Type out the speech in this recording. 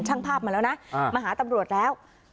ช่างภาพมาแล้วนะมาหาตำรวจแล้ว